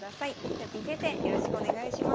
とよぴー先生よろしくお願いします。